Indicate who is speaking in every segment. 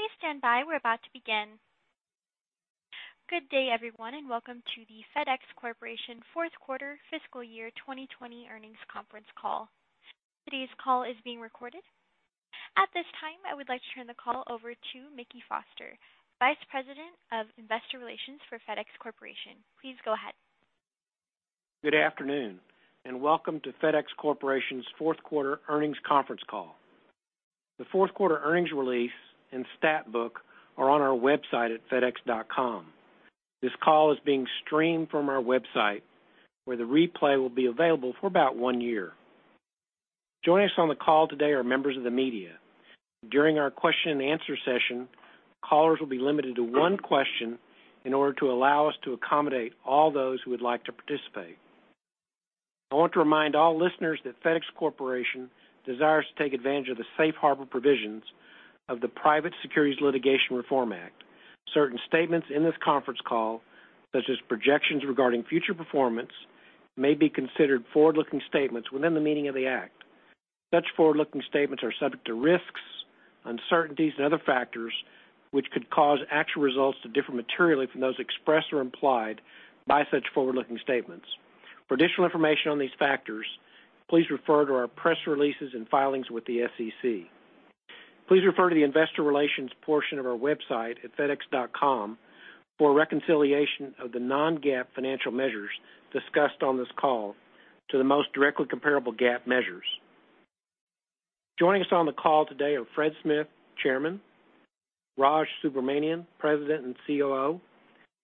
Speaker 1: Please stand by. We're about to begin. Good day, everyone, and welcome to the FedEx Corporation fourth quarter fiscal year 2020 earnings conference call. Today's call is being recorded. At this time, I would like to turn the call over to Mickey Foster, Vice President of Investor Relations for FedEx Corporation. Please go ahead.
Speaker 2: Good afternoon. Welcome to FedEx Corporation's fourth quarter earnings conference call. The fourth quarter earnings release and stat book are on our website at fedex.com. This call is being streamed from our website, where the replay will be available for about one year. Joining us on the call today are members of the media. During our question and answer session, callers will be limited to one question in order to allow us to accommodate all those who would like to participate. I want to remind all listeners that FedEx Corporation desires to take advantage of the safe harbor provisions of the Private Securities Litigation Reform Act. Certain statements in this conference call, such as projections regarding future performance, may be considered forward-looking statements within the meaning of the Act. Such forward-looking statements are subject to risks, uncertainties, and other factors which could cause actual results to differ materially from those expressed or implied by such forward-looking statements. For additional information on these factors, please refer to our press releases and filings with the SEC. Please refer to the investor relations portion of our website at fedex.com for a reconciliation of the non-GAAP financial measures discussed on this call to the most directly comparable GAAP measures. Joining us on the call today are Fred Smith, Chairman, Raj Subramaniam, President and COO,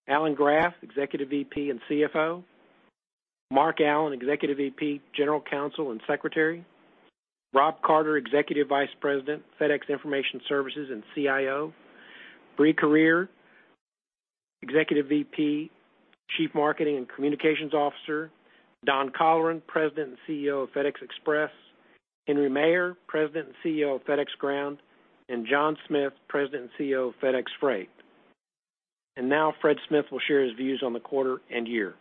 Speaker 2: Alan Graf, Executive VP and CFO, Mark Allen, Executive VP, General Counsel, and Secretary, Rob Carter, Executive Vice President, FedEx Information Services, and CIO, Brie Carere, Executive VP, Chief Marketing, and Communications Officer, Don Colleran, President and CEO of FedEx Express, Henry Maier, President and CEO of FedEx Ground, and John Smith, President and CEO of FedEx Freight. Now Fred Smith will share his views on the quarter and year.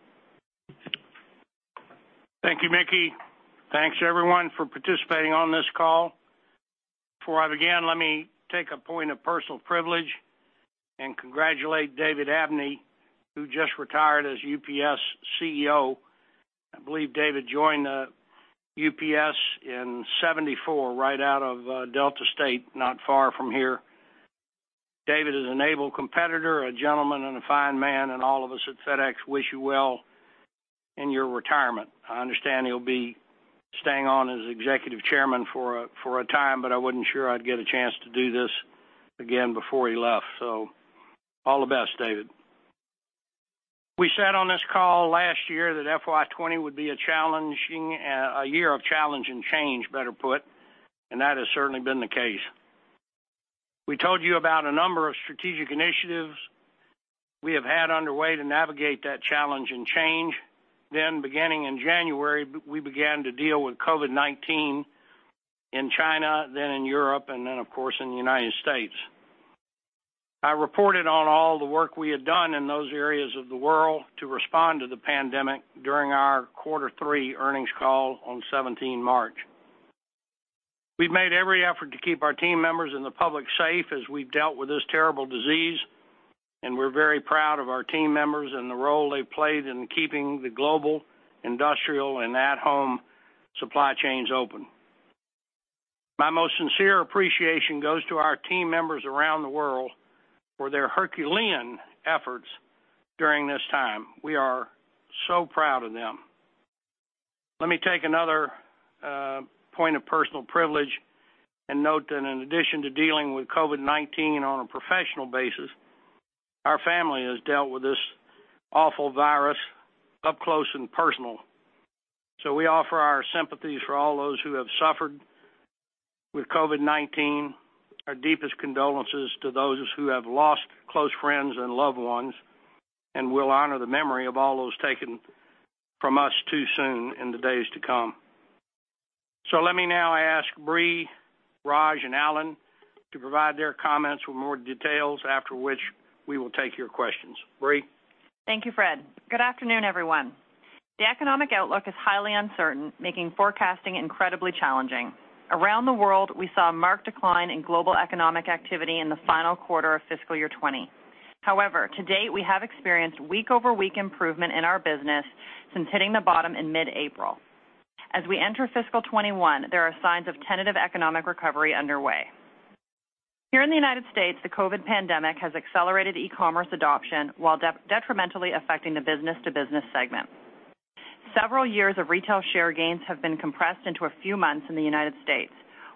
Speaker 3: Thank you, Mickey. Thanks, everyone, for participating on this call. Before I begin, let me take a point of personal privilege and congratulate David Abney, who just retired as UPS CEO. I believe David joined UPS in 1974, right out of Delta State, not far from here. David is an able competitor, a gentleman, and a fine man. All of us at FedEx wish you well in your retirement. I understand he'll be staying on as Executive Chairman for a time. I wasn't sure I'd get a chance to do this again before he left. All the best, David. We said on this call last year that FY 2020 would be a year of challenge and change, better put. That has certainly been the case. We told you about a number of strategic initiatives we have had underway to navigate that challenge and change. Beginning in January, we began to deal with COVID-19 in China, then in Europe, and then, of course, in the United States. I reported on all the work we had done in those areas of the world to respond to the pandemic during our quarter three earnings call on 17 March. We've made every effort to keep our team members and the public safe as we've dealt with this terrible disease, and we're very proud of our team members and the role they've played in keeping the global, industrial, and at-home supply chains open. My most sincere appreciation goes to our team members around the world for their Herculean efforts during this time. We are so proud of them. Let me take another point of personal privilege and note that in addition to dealing with COVID-19 on a professional basis, our family has dealt with this awful virus up close and personal. We offer our sympathies for all those who have suffered with COVID-19, our deepest condolences to those who have lost close friends and loved ones, and we'll honor the memory of all those taken from us too soon in the days to come. Let me now ask Brie, Raj, and Alan to provide their comments with more details. After which, we will take your questions. Brie?
Speaker 4: Thank you, Fred. Good afternoon, everyone. The economic outlook is highly uncertain, making forecasting incredibly challenging. Around the world, we saw a marked decline in global economic activity in the final quarter of fiscal year 2020. However, to date, we have experienced week-over-week improvement in our business since hitting the bottom in mid-April. As we enter fiscal 2021, there are signs of tentative economic recovery underway. Here in the United States, the COVID pandemic has accelerated e-commerce adoption while detrimentally affecting the business-to-business segment. Several years of retail share gains have been compressed into a few months in the United States,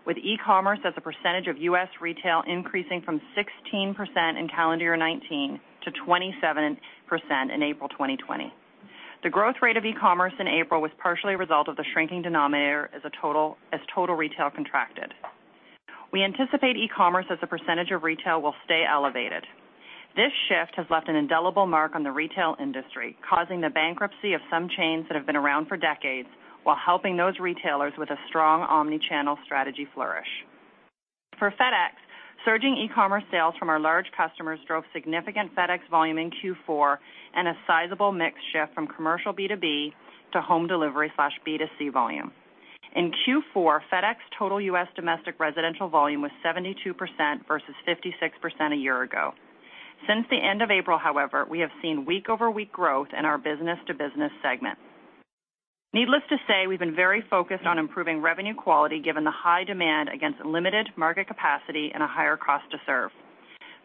Speaker 4: with e-commerce as a percentage of U.S. retail increasing from 16% in calendar 2019 to 27% in April 2020. The growth rate of e-commerce in April was partially a result of the shrinking denominator as total retail contracted. We anticipate e-commerce as a percentage of retail will stay elevated. This shift has left an indelible mark on the retail industry, causing the bankruptcy of some chains that have been around for decades while helping those retailers with a strong omni-channel strategy flourish. For FedEx, surging e-commerce sales from our large customers drove significant FedEx volume in Q4 and a sizable mix shift from commercial B2B to Home Delivery/B2C volume. In Q4, FedEx total U.S. domestic residential volume was 72% versus 56% a year ago. Since the end of April, however, we have seen week-over-week growth in our business-to-business segment. Needless to say, we've been very focused on improving revenue quality given the high demand against limited market capacity and a higher cost to serve.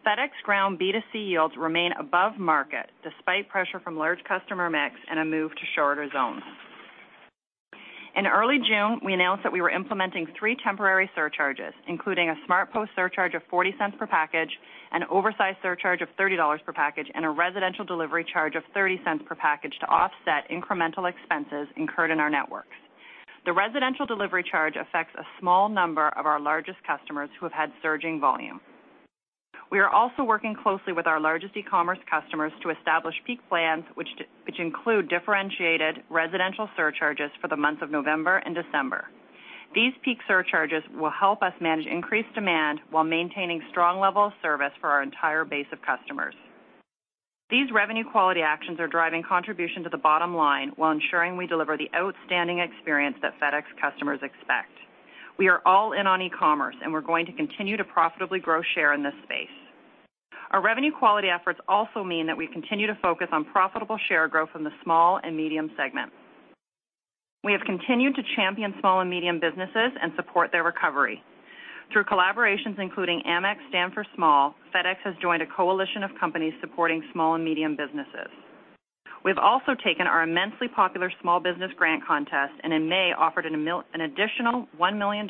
Speaker 4: FedEx Ground B2C yields remain above market despite pressure from large customer mix and a move to shorter zones. In early June, we announced that we were implementing three temporary surcharges, including a SmartPost surcharge of $0.40 per package, an oversize surcharge of $30 per package, and a residential delivery charge of $0.30 per package to offset incremental expenses incurred in our networks. The residential delivery charge affects a small number of our largest customers who have had surging volume. We are also working closely with our largest e-commerce customers to establish peak plans, which include differentiated residential surcharges for the months of November and December. These peak surcharges will help us manage increased demand while maintaining strong level of service for our entire base of customers. These revenue quality actions are driving contribution to the bottom line while ensuring we deliver the outstanding experience that FedEx customers expect. We are all in on e-commerce, and we're going to continue to profitably grow share in this space. Our revenue quality efforts also mean that we continue to focus on profitable share growth in the small and medium segment. We have continued to champion small and medium businesses and support their recovery. Through collaborations including Amex Stand for Small, FedEx has joined a coalition of companies supporting small and medium businesses. We've also taken our immensely popular Small Business Grant Contest, and in May, offered an additional $1 million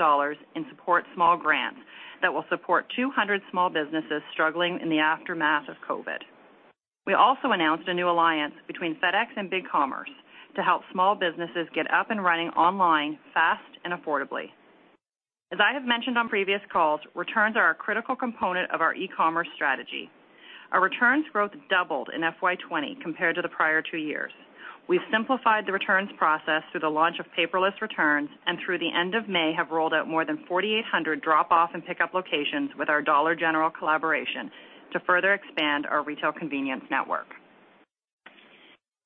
Speaker 4: in #SupportSmallGrants that will support 200 small businesses struggling in the aftermath of COVID. We also announced a new alliance between FedEx and BigCommerce to help small businesses get up and running online fast and affordably. As I have mentioned on previous calls, returns are a critical component of our e-commerce strategy. Our returns growth doubled in FY 2020 compared to the prior two years. We've simplified the returns process through the launch of paperless returns, and through the end of May, have rolled out more than 4,800 drop-off and pickup locations with our Dollar General collaboration to further expand our retail convenience network.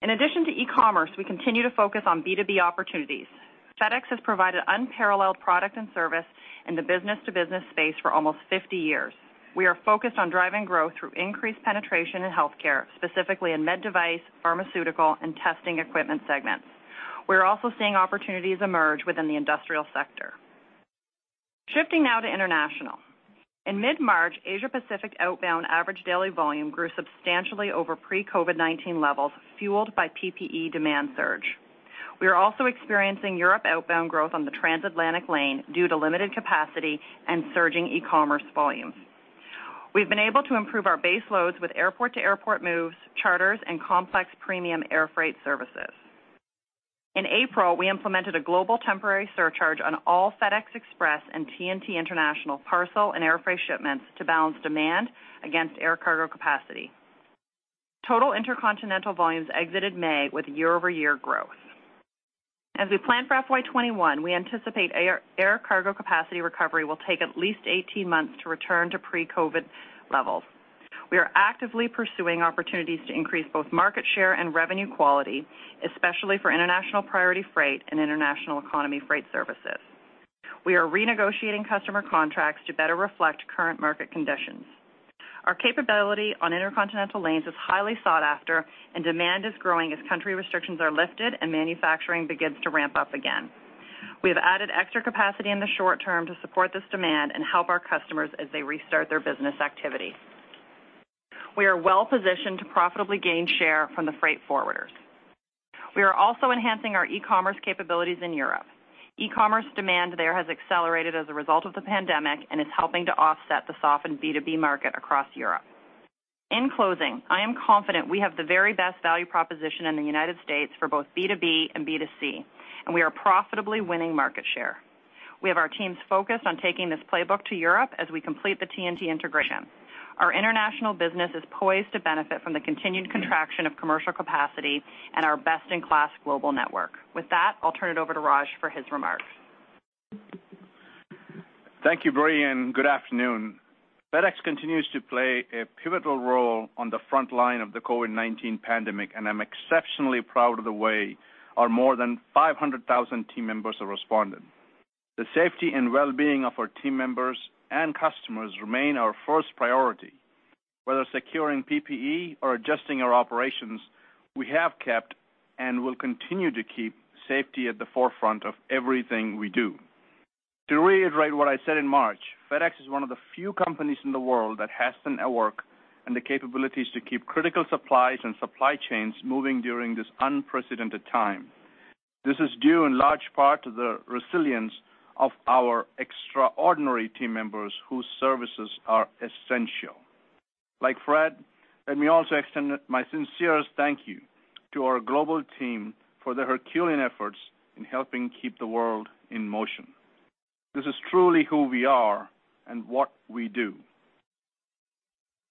Speaker 4: In addition to e-commerce, we continue to focus on B2B opportunities. FedEx has provided unparalleled product and service in the business-to-business space for almost 50 years. We are focused on driving growth through increased penetration in healthcare, specifically in med device, pharmaceutical, and testing equipment segments. We're also seeing opportunities emerge within the industrial sector. Shifting now to international. In mid-March, Asia-Pacific outbound average daily volume grew substantially over pre-COVID-19 levels, fueled by PPE demand surge. We are also experiencing Europe outbound growth on the trans-Atlantic lane due to limited capacity and surging e-commerce volumes. We've been able to improve our base loads with airport-to-airport moves, charters, and complex premium air freight services. In April, we implemented a global temporary surcharge on all FedEx Express and TNT International parcel and air freight shipments to balance demand against air cargo capacity. Total intercontinental volumes exited May with year-over-year growth. As we plan for FY 2021, we anticipate air cargo capacity recovery will take at least 18 months to return to pre-COVID levels. We are actively pursuing opportunities to increase both market share and revenue quality, especially for International Priority Freight and International Economy Freight services. We are renegotiating customer contracts to better reflect current market conditions. Our capability on intercontinental lanes is highly sought after, and demand is growing as country restrictions are lifted and manufacturing begins to ramp up again. We have added extra capacity in the short term to support this demand and help our customers as they restart their business activity. We are well-positioned to profitably gain share from the freight forwarders. We are also enhancing our e-commerce capabilities in Europe. E-commerce demand there has accelerated as a result of the pandemic and is helping to offset the softened B2B market across Europe. In closing, I am confident we have the very best value proposition in the United States for both B2B and B2C, and we are profitably winning market share. We have our teams focused on taking this playbook to Europe as we complete the TNT integration. Our international business is poised to benefit from the continued contraction of commercial capacity and our best-in-class global network. With that, I'll turn it over to Raj for his remarks.
Speaker 5: Thank you, Brie. Good afternoon. FedEx continues to play a pivotal role on the front line of the COVID-19 pandemic. I'm exceptionally proud of the way our more than 500,000 team members have responded. The safety and well-being of our team members and customers remain our first priority. Whether securing PPE or adjusting our operations, we have kept, and will continue to keep, safety at the forefront of everything we do. To reiterate what I said in March, FedEx is one of the few companies in the world that has the network and the capabilities to keep critical supplies and supply chains moving during this unprecedented time. This is due in large part to the resilience of our extraordinary team members whose services are essential. Like Fred, let me also extend my sincerest thank you to our global team for their Herculean efforts in helping keep the world in motion. This is truly who we are and what we do.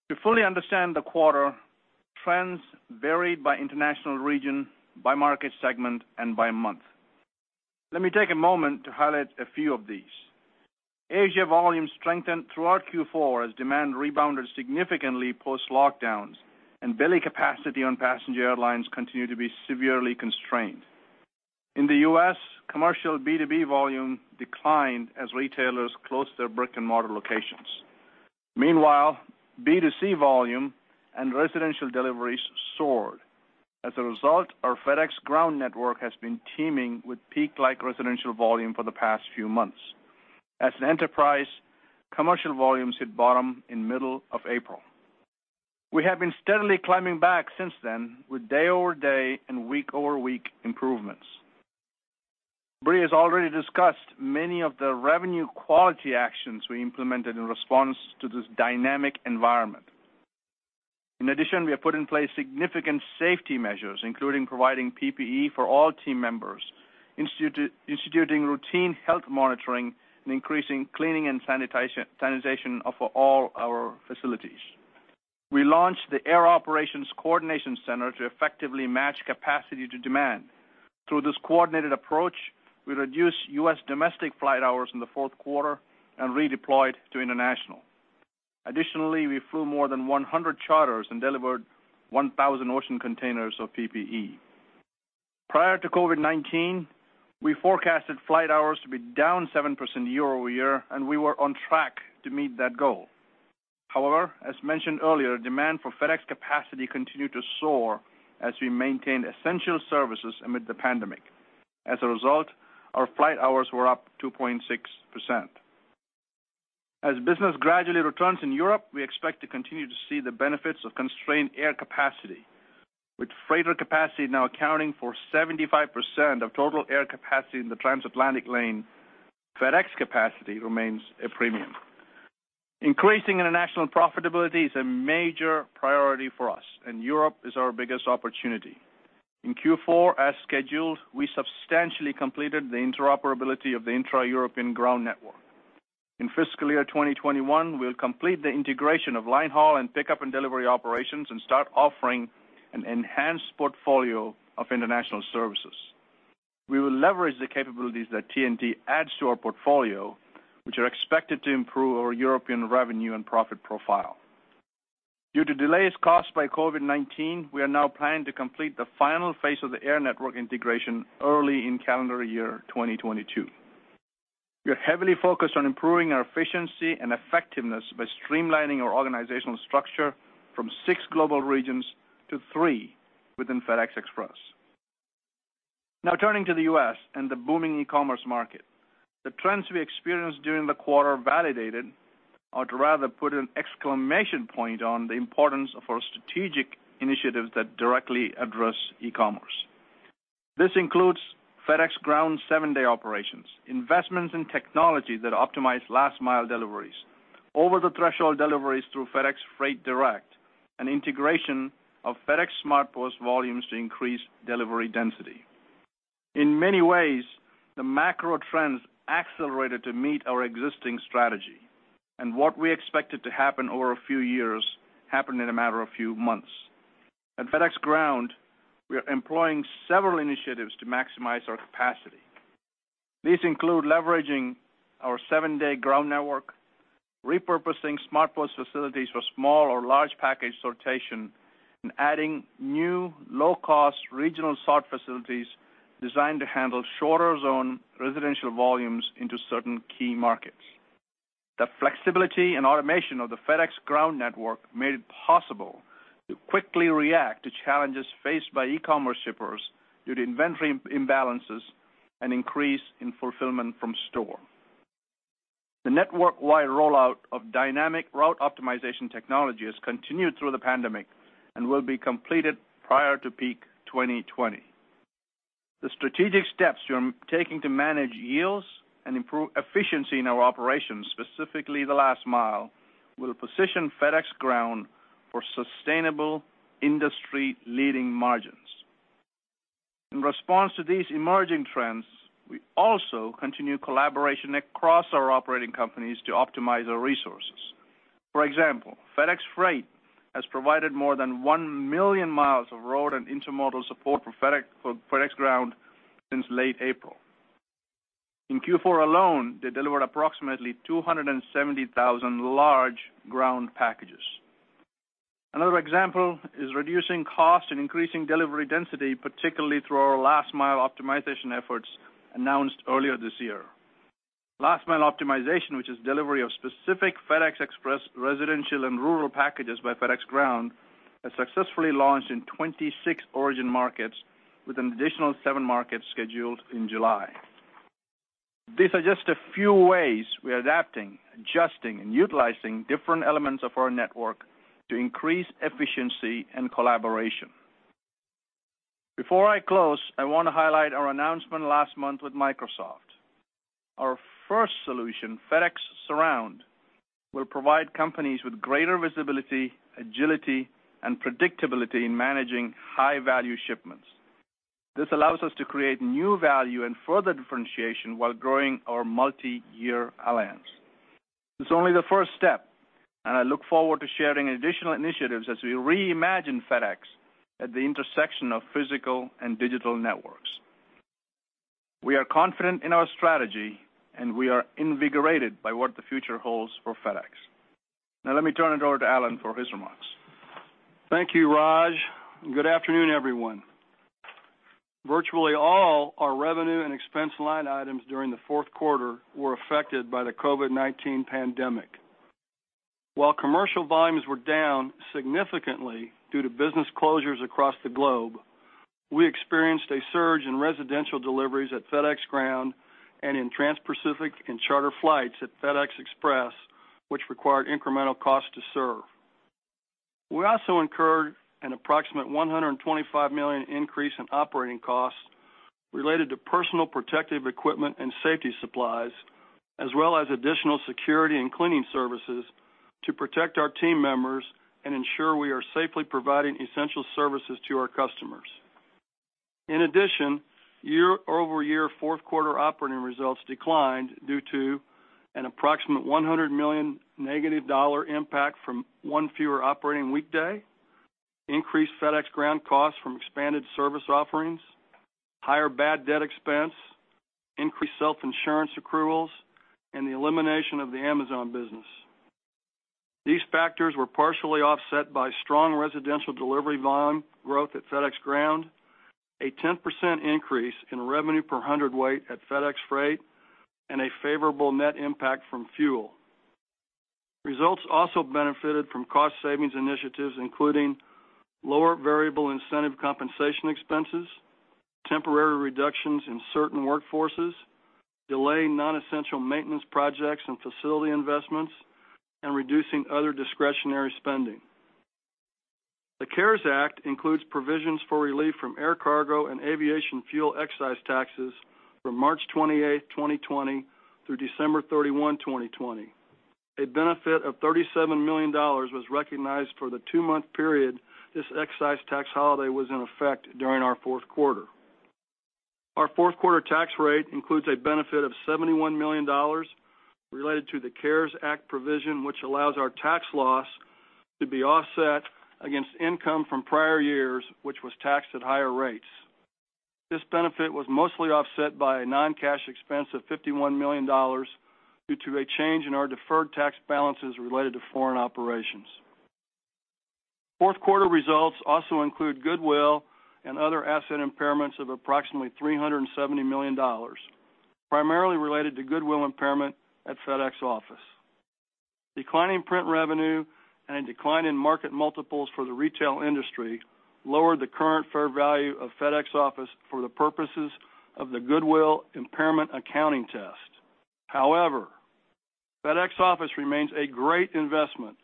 Speaker 5: To fully understand the quarter, trends varied by international region, by market segment, and by month. Let me take a moment to highlight a few of these. Asia volumes strengthened throughout Q4 as demand rebounded significantly post-lockdowns, and belly capacity on passenger airlines continued to be severely constrained. In the U.S., commercial B2B volume declined as retailers closed their brick-and-mortar locations. Meanwhile, B2C volume and residential deliveries soared. As a result, our FedEx Ground network has been teeming with peak-like residential volume for the past few months. As an enterprise, commercial volumes hit bottom in the middle of April. We have been steadily climbing back since then, with day-over-day and week-over-week improvements. Brie has already discussed many of the revenue quality actions we implemented in response to this dynamic environment. In addition, we have put in place significant safety measures, including providing PPE for all team members, instituting routine health monitoring, and increasing cleaning and sanitization of all our facilities. We launched the Air Operations Coordination Center to effectively match capacity to demand. Through this coordinated approach, we reduced U.S. domestic flight hours in the fourth quarter and redeployed to international. Additionally, we flew more than 100 charters and delivered 1,000 ocean containers of PPE. Prior to COVID-19, we forecasted flight hours to be down 7% year-over-year, and we were on track to meet that goal. However, as mentioned earlier, demand for FedEx capacity continued to soar as we maintained essential services amid the pandemic. As a result, our flight hours were up 2.6%. As business gradually returns in Europe, we expect to continue to see the benefits of constrained air capacity. With freighter capacity now accounting for 75% of total air capacity in the transatlantic lane, FedEx capacity remains a premium. Increasing international profitability is a major priority for us, and Europe is our biggest opportunity. In Q4, as scheduled, we substantially completed the interoperability of the intra-European ground network. In fiscal year 2021, we'll complete the integration of line haul and pickup and delivery operations and start offering an enhanced portfolio of international services. We will leverage the capabilities that TNT adds to our portfolio, which are expected to improve our European revenue and profit profile. Due to delays caused by COVID-19, we are now planning to complete the final phase of the air network integration early in calendar year 2022. We are heavily focused on improving our efficiency and effectiveness by streamlining our organizational structure from six global regions to three within FedEx Express. Now turning to the U.S. and the booming e-commerce market. The trends we experienced during the quarter validated, or rather put an exclamation point on, the importance of our strategic initiatives that directly address e-commerce. This includes FedEx Ground seven-day operations, investments in technology that optimize last-mile deliveries, over-the-threshold deliveries through FedEx Freight Direct, and integration of FedEx SmartPost volumes to increase delivery density. In many ways, the macro trends accelerated to meet our existing strategy, and what we expected to happen over a few years happened in a matter of few months. At FedEx Ground, we are employing several initiatives to maximize our capacity. These include leveraging our seven-day Ground network, repurposing SmartPost facilities for small or large package sortation, and adding new low-cost regional sort facilities designed to handle shorter-zone residential volumes into certain key markets. The flexibility and automation of the FedEx Ground network made it possible to quickly react to challenges faced by e-commerce shippers due to inventory imbalances and increase in fulfillment from store. The network-wide rollout of Dynamic Route Optimization technology has continued through the pandemic and will be completed prior to peak 2020. The strategic steps we are taking to manage yields and improve efficiency in our operations, specifically the last mile, will position FedEx Ground for sustainable industry-leading margins. In response to these emerging trends, we also continue collaboration across our operating companies to optimize our resources. For example, FedEx Freight has provided more than 1 million miles of road and intermodal support for FedEx Ground since late April. In Q4 alone, they delivered approximately 270,000 large Ground packages. Another example is reducing cost and increasing delivery density, particularly through our last mile optimization efforts announced earlier this year. Last mile optimization, which is delivery of specific FedEx Express residential and rural packages by FedEx Ground, has successfully launched in 26 origin markets with an additional seven markets scheduled in July. These are just a few ways we are adapting, adjusting, and utilizing different elements of our network to increase efficiency and collaboration. Before I close, I want to highlight our announcement last month with Microsoft. Our first solution, FedEx Surround, will provide companies with greater visibility, agility, and predictability in managing high-value shipments. This allows us to create new value and further differentiation while growing our multi-year alliance. It's only the first step, and I look forward to sharing additional initiatives as we reimagine FedEx at the intersection of physical and digital networks. We are confident in our strategy, and we are invigorated by what the future holds for FedEx. Let me turn it over to Alan for his remarks.
Speaker 6: Thank you, Raj. Good afternoon, everyone. Virtually, all our revenue and expense line items during the fourth quarter were affected by the COVID-19 pandemic. While commercial volumes were down significantly due to business closures across the globe, we experienced a surge in residential deliveries at FedEx Ground and in transpacific and charter flights at FedEx Express, which required incremental cost to serve. We also incurred an approximate $125 million increase in operating costs related to personal protective equipment and safety supplies, as well as additional security and cleaning services to protect our team members and ensure we are safely providing essential services to our customers. In addition, year-over-year fourth quarter operating results declined due to an approximate $100 million negative impact from one fewer operating weekday, increased FedEx Ground costs from expanded service offerings, higher bad debt expense, increased self-insurance accruals, and the elimination of the Amazon business. These factors were partially offset by strong residential delivery volume growth at FedEx Ground, a 10% increase in revenue per hundredweight at FedEx Freight, and a favorable net impact from fuel. Results also benefited from cost savings initiatives, including lower variable incentive compensation expenses, temporary reductions in certain workforces, delaying non-essential maintenance projects and facility investments, and reducing other discretionary spending. The CARES Act includes provisions for relief from air cargo and aviation fuel excise taxes from March 28th, 2020, through December 31, 2020. A benefit of $37 million was recognized for the two-month period this excise tax holiday was in effect during our fourth quarter. Our fourth quarter tax rate includes a benefit of $71 million related to the CARES Act provision, which allows our tax loss to be offset against income from prior years, which was taxed at higher rates. This benefit was mostly offset by a non-cash expense of $51 million due to a change in our deferred tax balances related to foreign operations. Fourth quarter results also include goodwill and other asset impairments of approximately $370 million, primarily related to goodwill impairment at FedEx Office. Declining print revenue and a decline in market multiples for the retail industry lowered the current fair value of FedEx Office for the purposes of the goodwill impairment accounting test. However, FedEx Office remains a great investment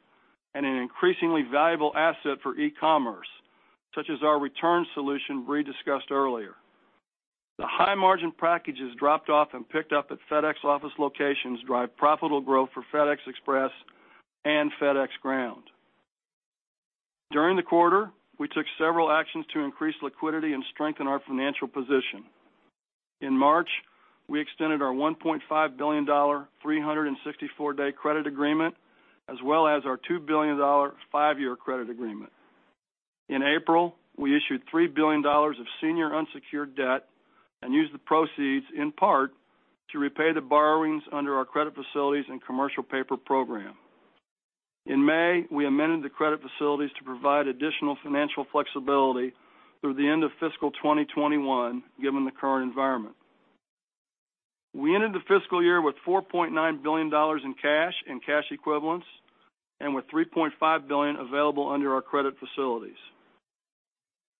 Speaker 6: and an increasingly valuable asset for e-commerce, such as our return solution Brie discussed earlier. The high margin packages dropped off and picked up at FedEx Office locations drive profitable growth for FedEx Express and FedEx Ground. During the quarter, we took several actions to increase liquidity and strengthen our financial position. In March, we extended our $1.5 billion 364-day credit agreement, as well as our $2 billion five-year credit agreement. In April, we issued $3 billion of senior unsecured debt and used the proceeds in part to repay the borrowings under our credit facilities and commercial paper program. In May, we amended the credit facilities to provide additional financial flexibility through the end of fiscal 2021 given the current environment. We ended the fiscal year with $4.9 billion in cash and cash equivalents and with $3.5 billion available under our credit facilities.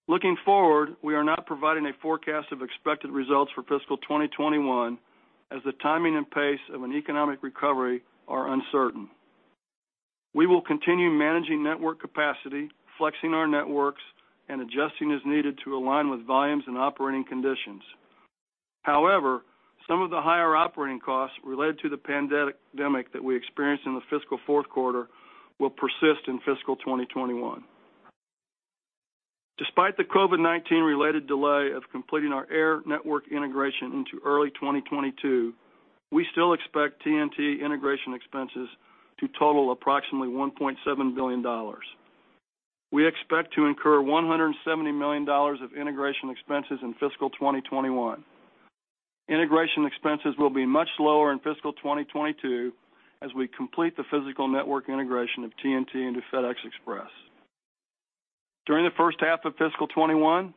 Speaker 6: Looking forward, we are not providing a forecast of expected results for fiscal 2021 as the timing and pace of an economic recovery are uncertain. We will continue managing network capacity, flexing our networks, and adjusting as needed to align with volumes and operating conditions. However, some of the higher operating costs related to the pandemic that we experienced in the fiscal fourth quarter will persist in fiscal 2021. Despite the COVID-19 related delay of completing our air network integration into early 2022, we still expect TNT integration expenses to total approximately $1.7 billion. We expect to incur $170 million of integration expenses in fiscal 2021. Integration expenses will be much lower in fiscal 2022 as we complete the physical network integration of TNT into FedEx Express. During the first half of fiscal 2021,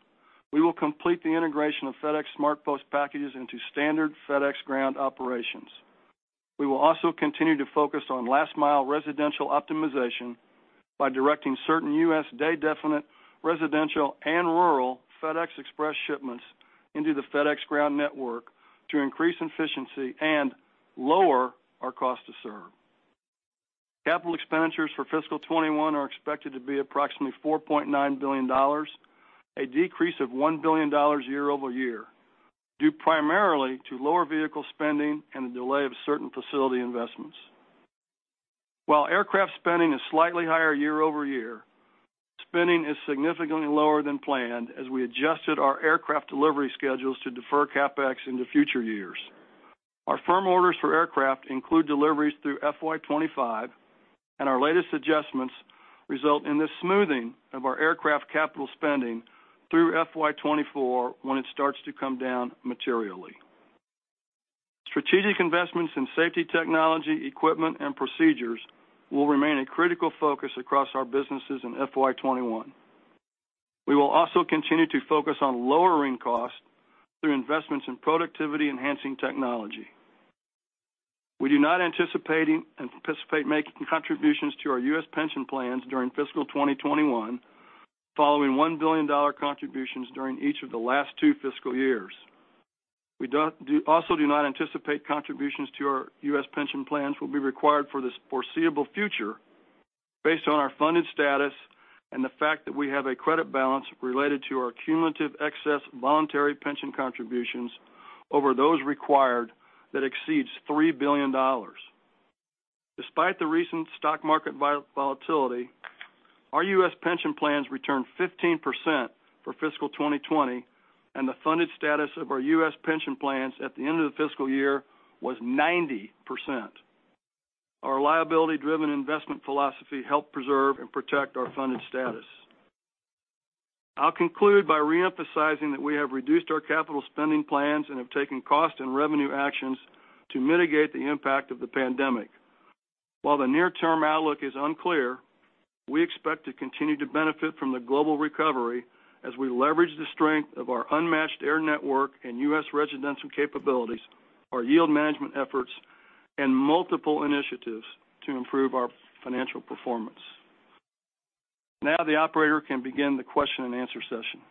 Speaker 6: we will complete the integration of FedEx SmartPost packages into standard FedEx Ground operations. We will also continue to focus on last mile residential optimization by directing certain U.S. day definite residential and rural FedEx Express shipments into the FedEx Ground network to increase efficiency and lower our cost to serve. Capital expenditures for fiscal 2021 are expected to be approximately $4.9 billion, a decrease of $1 billion year-over-year, due primarily to lower vehicle spending and a delay of certain facility investments. While aircraft spending is slightly higher year-over-year, spending is significantly lower than planned as we adjusted our aircraft delivery schedules to defer CapEx into future years. Our firm orders for aircraft include deliveries through FY 2025, and our latest adjustments result in the smoothing of our aircraft capital spending through FY 2024 when it starts to come down materially. Strategic investments in safety technology, equipment, and procedures will remain a critical focus across our businesses in FY 2021. We will also continue to focus on lowering costs through investments in productivity-enhancing technology. We do not anticipate making contributions to our U.S. pension plans during fiscal 2021, following $1 billion contributions during each of the last two fiscal years. We also do not anticipate contributions to our U.S. pension plans will be required for this foreseeable future based on our funded status and the fact that we have a credit balance related to our cumulative excess voluntary pension contributions over those required that exceeds $3 billion. Despite the recent stock market volatility, our U.S. pension plans returned 15% for fiscal 2020, and the funded status of our U.S. pension plans at the end of the fiscal year was 90%. Our liability-driven investment philosophy helped preserve and protect our funded status. I'll conclude by reemphasizing that we have reduced our capital spending plans and have taken cost and revenue actions to mitigate the impact of the pandemic. While the near-term outlook is unclear, we expect to continue to benefit from the global recovery as we leverage the strength of our unmatched air network and U.S. residential capabilities, our yield management efforts, and multiple initiatives to improve our financial performance. Now the operator can begin the question and answer session.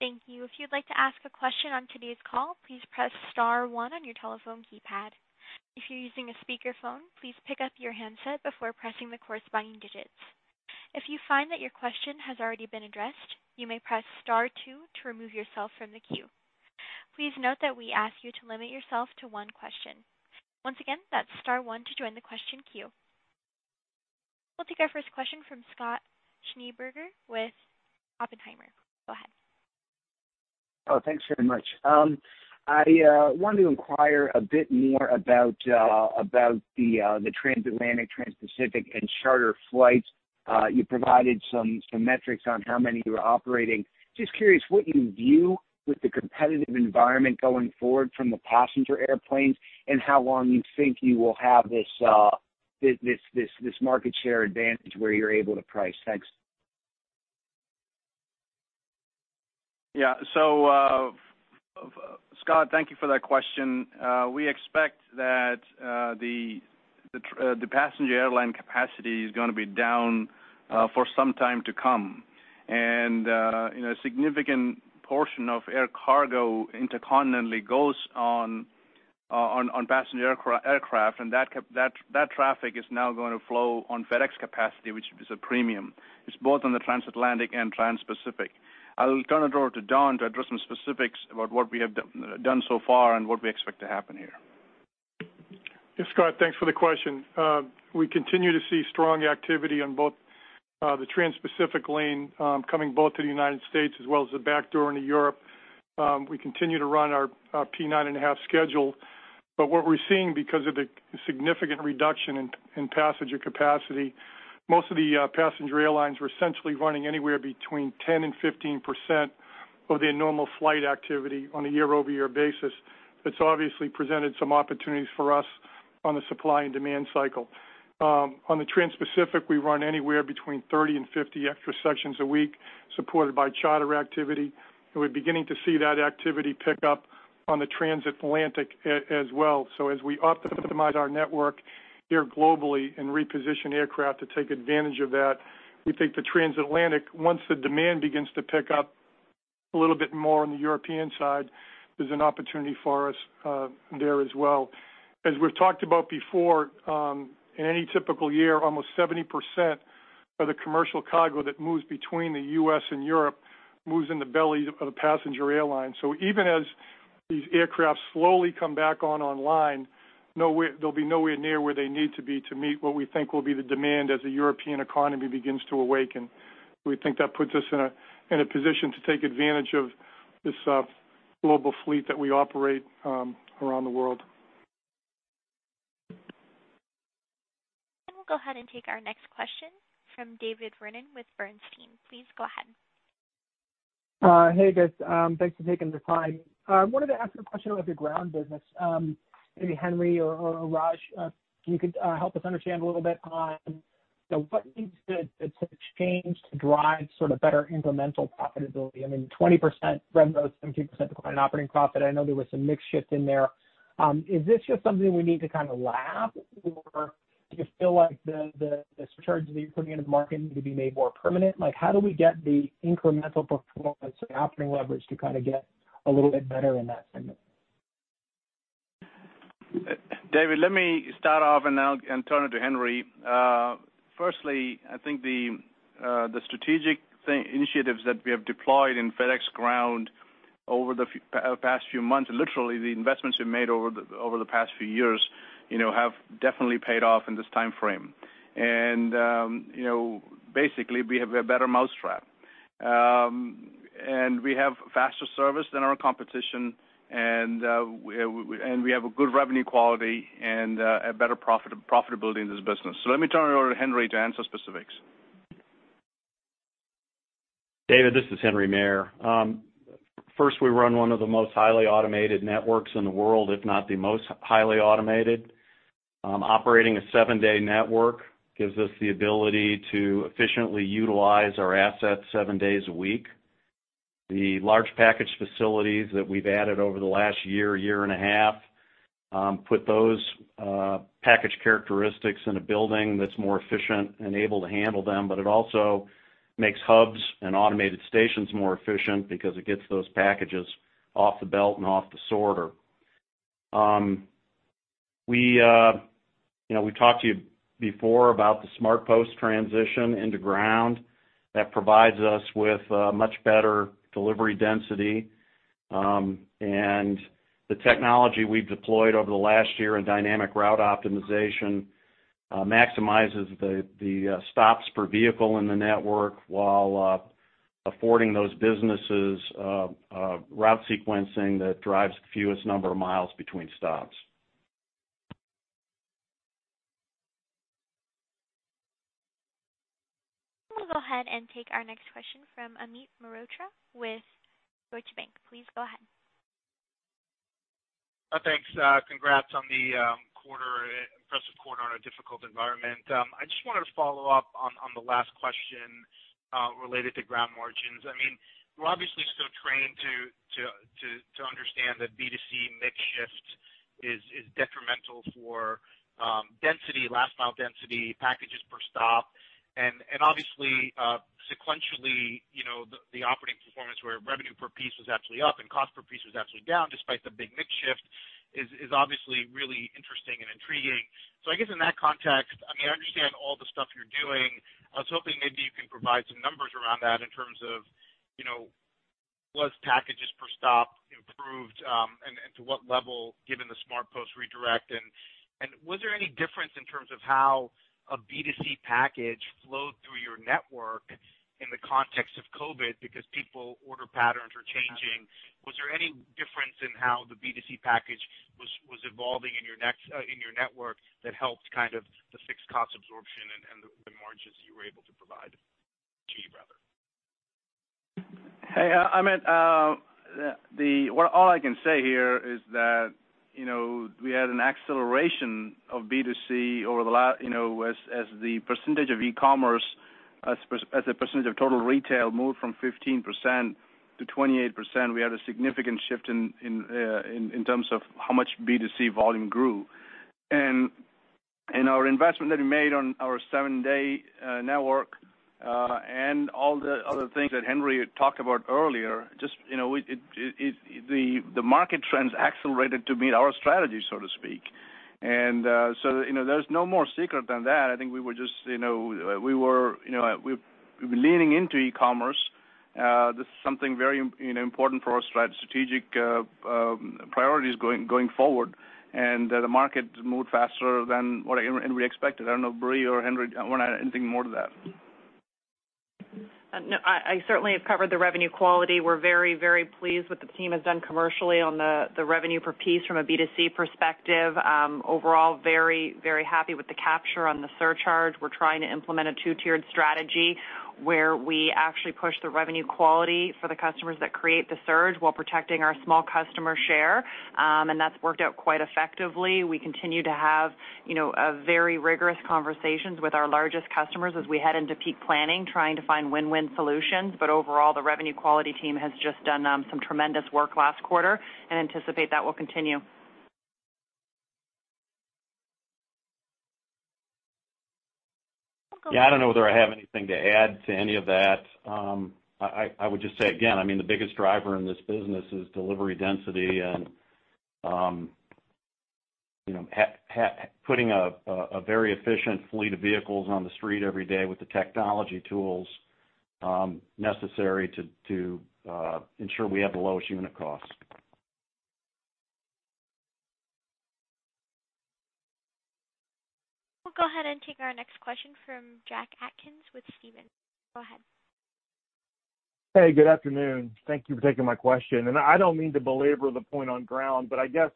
Speaker 1: Thank you. If you'd like to ask a question on today's call, please press star one on your telephone keypad. If you're using a speakerphone, please pick up your handset before pressing the corresponding digits. If you find that your question has already been addressed, you may press star two to remove yourself from the queue. Please note that we ask you to limit yourself to one question. Once again, that's star one to join the question queue. We'll take our first question from Scott Schneeberger with Oppenheimer. Go ahead.
Speaker 7: Thanks very much. I wanted to inquire a bit more about the transatlantic, transpacific, and charter flights. You provided some metrics on how many you were operating. Just curious what you view with the competitive environment going forward from the passenger airplanes, and how long you think you will have this market share advantage where you're able to price. Thanks.
Speaker 5: Scott, thank you for that question. We expect that the passenger airline capacity is going to be down for some time to come. A significant portion of air cargo intercontinentally goes on passenger aircraft, and that traffic is now going to flow on FedEx capacity, which is a premium. It's both on the transatlantic and transpacific. I'll turn it over to Don to address some specifics about what we have done so far and what we expect to happen here.
Speaker 8: Yeah, Scott, thanks for the question. We continue to see strong activity on both the transpacific lane coming both to the United States as well as the backdoor into Europe. We continue to run our P-9.5 schedule. What we're seeing because of the significant reduction in passenger capacity, most of the passenger airlines were essentially running anywhere between 10% and 15% of their normal flight activity on a year-over-year basis. That's obviously presented some opportunities for us on the supply and demand cycle. On the transpacific, we run anywhere between 30 and 50 extra sections a week, supported by charter activity, and we're beginning to see that activity pick up on the transatlantic as well. As we optimize our network here globally and reposition aircraft to take advantage of that, we think the transatlantic, once the demand begins to pick up a little bit more on the European side, there's an opportunity for us there as well. As we've talked about before, in any typical year, almost 70% of the commercial cargo that moves between the U.S. and Europe moves in the belly of a passenger airline. Even as these aircraft slowly come back online, they'll be nowhere near where they need to be to meet what we think will be the demand as the European economy begins to awaken. We think that puts us in a position to take advantage of this global fleet that we operate around the world.
Speaker 1: We'll go ahead and take our next question from David Vernon with Bernstein. Please go ahead.
Speaker 9: Hey, guys. Thanks for taking the time. I wanted to ask a question about your Ground business. Maybe Henry or Raj, you could help us understand a little bit on what needs to change to drive sort of better incremental profitability. I mean, 20% [rev], 72% decline in operating profit. I know there was some mix shift in there. Is this just something we need to kind of lap, or do you feel like the surcharge that you're putting into the market need to be made more permanent? How do we get the incremental performance or operating leverage to kind of get a little bit better in that segment?
Speaker 5: David, let me start off, and I'll turn it to Henry. Firstly, I think the strategic initiatives that we have deployed in FedEx Ground, over the past few months, literally the investments we've made over the past few years have definitely paid off in this time frame. Basically, we have a better mousetrap. We have faster service than our competition, and we have a good revenue quality and better profitability in this business. Let me turn it over to Henry to answer specifics.
Speaker 10: David, this is Henry Maier. First, we run one of the most highly automated networks in the world, if not the most highly automated. Operating a seven-day network gives us the ability to efficiently utilize our assets seven days a week. The large package facilities that we've added over the last year, year and a half, put those package characteristics in a building that's more efficient and able to handle them, but it also makes hubs and automated stations more efficient because it gets those packages off the belt and off the sorter. We talked to you before about the SmartPost transition into Ground. That provides us with much better delivery density. The technology we've deployed over the last year in Dynamic Route Optimization maximizes the stops per vehicle in the network while affording those businesses route sequencing that drives the fewest number of miles between stops.
Speaker 1: We'll go ahead and take our next question from Amit Mehrotra with Deutsche Bank. Please go ahead.
Speaker 11: Thanks. Congrats on the impressive quarter on a difficult environment. I just wanted to follow up on the last question related to Ground margins. We're obviously so trained to understand that B2C mix shift is detrimental for last mile density, packages per stop, and obviously, sequentially, the operating performance where revenue per piece was actually up and cost per piece was actually down despite the big mix shift is obviously really interesting and intriguing. I guess in that context, I understand all the stuff you're doing. I was hoping maybe you can provide some numbers around that in terms of, was packages per stop improved, and to what level, given the SmartPost redirect. Was there any difference in terms of how a B2C package flowed through your network in the context of COVID because people order patterns are changing. Was there any difference in how the B2C package was evolving in your network that helped kind of the fixed cost absorption and the margins that you were able to provide, achieve rather?
Speaker 5: Hey, Amit. All I can say here is that we had an acceleration of B2C as the percentage of e-commerce, as a percentage of total retail moved from 15% to 28%, we had a significant shift in terms of how much B2C volume grew. Our investment that we made on our seven-day network, and all the other things that Henry had talked about earlier, the market trends accelerated to meet our strategy, so to speak. There's no more secret than that. I think we were leaning into e-commerce. This is something very important for our strategic priorities going forward, and the market moved faster than what Henry expected. I don't know, Brie or Henry, want to add anything more to that?
Speaker 4: No, I certainly have covered the revenue quality. We're very, very pleased what the team has done commercially on the revenue per piece from a B2C perspective. Overall, very, very happy with the capture on the surcharge. We're trying to implement a two-tiered strategy where we actually push the revenue quality for the customers that create the surge while protecting our small customer share. That's worked out quite effectively. We continue to have very rigorous conversations with our largest customers as we head into peak planning, trying to find win-win solutions. Overall, the revenue quality team has just done some tremendous work last quarter and anticipate that will continue.
Speaker 10: Yeah, I don't know whether I have anything to add to any of that. I would just say again, the biggest driver in this business is delivery density and putting a very efficient fleet of vehicles on the street every day with the technology tools necessary to ensure we have the lowest unit cost.
Speaker 1: We'll go ahead and take our next question from Jack Atkins with Stephens. Go ahead.
Speaker 12: Hey, good afternoon. Thank you for taking my question. I don't mean to belabor the point on Ground. I guess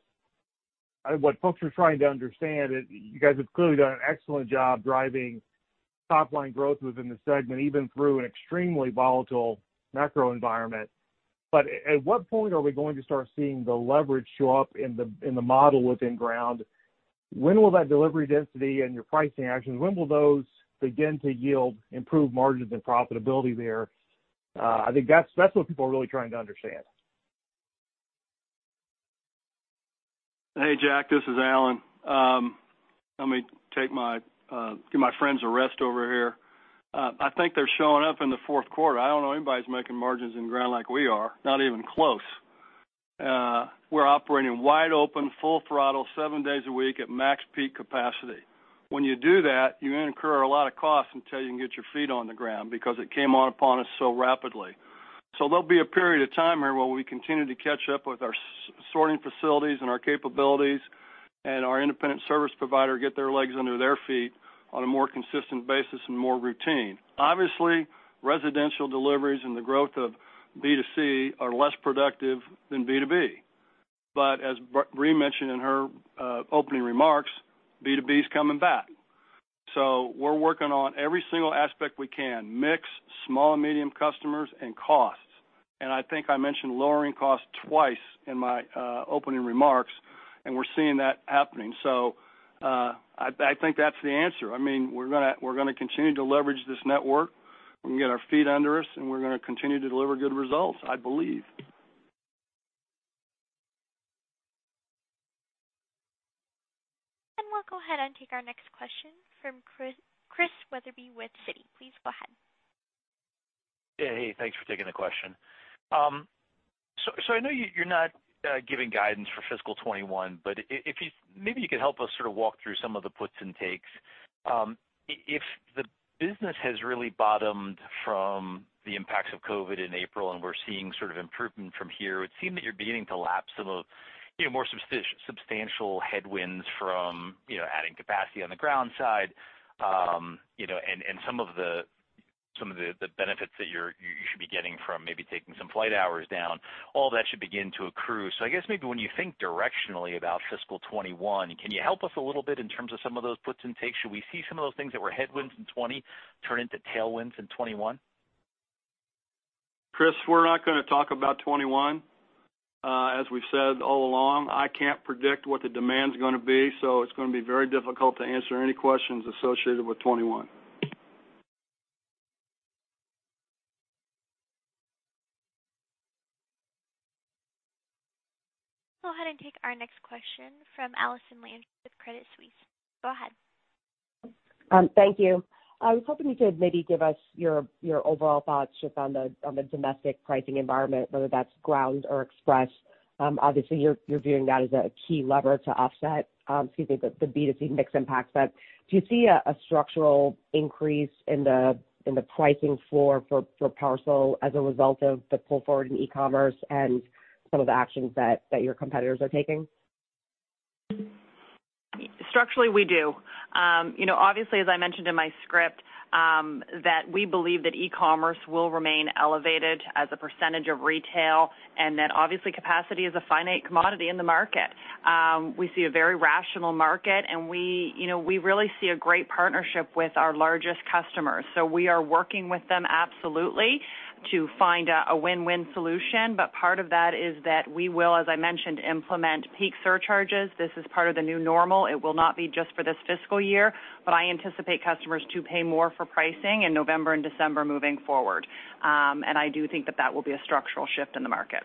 Speaker 12: what folks are trying to understand is you guys have clearly done an excellent job driving top-line growth within the segment, even through an extremely volatile macro environment. At what point are we going to start seeing the leverage show up in the model within Ground? When will that delivery density and your pricing actions, when will those begin to yield improved margins and profitability there? I think that's what people are really trying to understand.
Speaker 6: Hey, Jack, this is Alan. Let me give my friends a rest over here. I think they're showing up in the fourth quarter. I don't know anybody who's making margins in Ground like we are, not even close. We're operating wide open, full throttle, seven days a week at max peak capacity. When you do that, you incur a lot of costs until you can get your feet on the ground because it came on upon us so rapidly. There will be a period of time here where we continue to catch up with our sorting facilities and our capabilities and our independent service provider get their legs under their feet on a more consistent basis and more routine. Obviously, residential deliveries and the growth of B2C are less productive than B2B. As Brie mentioned in her opening remarks, B2B is coming back. We're working on every single aspect we can, mix small and medium customers and costs. I think I mentioned lowering costs twice in my opening remarks, and we're seeing that happening. I think that's the answer. We're going to continue to leverage this network. We're going to get our feet under us, and we're going to continue to deliver good results, I believe.
Speaker 1: We'll go ahead and take our next question from Chris Wetherbee with Citi. Please go ahead.
Speaker 13: Yeah. Hey, thanks for taking the question. I know you're not giving guidance for fiscal 2021, but maybe you could help us sort of walk through some of the puts and takes. If the business has really bottomed from the impacts of COVID in April and we're seeing sort of improvement from here, it would seem that you're beginning to lap some of more substantial headwinds from adding capacity on the Ground side, and some of the benefits that you should be getting from maybe taking some flight hours down, all that should begin to accrue. I guess maybe when you think directionally about fiscal 2021, can you help us a little bit in terms of some of those puts and takes? Should we see some of those things that were headwinds in 2020 turn into tailwinds in 2021?
Speaker 6: Chris, we're not going to talk about 2021. As we've said all along, I can't predict what the demand's going to be, so it's going to be very difficult to answer any questions associated with 2021.
Speaker 1: Go ahead and take our next question from Allison Landry with Credit Suisse. Go ahead.
Speaker 14: Thank you. I was hoping you could maybe give us your overall thoughts just on the domestic pricing environment, whether that's Ground or Express. Obviously, you're viewing that as a key lever to offset, excuse me, the B2C mix impact. Do you see a structural increase in the pricing floor for parcel as a result of the pull forward in e-commerce and some of the actions that your competitors are taking?
Speaker 4: Structurally, we do. Obviously, as I mentioned in my script, that we believe that e-commerce will remain elevated as a percentage of retail, and that obviously capacity is a finite commodity in the market. We see a very rational market, and we really see a great partnership with our largest customers. We are working with them absolutely to find a win-win solution. Part of that is that we will, as I mentioned, implement peak surcharges. This is part of the new normal. It will not be just for this fiscal year, but I anticipate customers to pay more for pricing in November and December moving forward. I do think that that will be a structural shift in the market.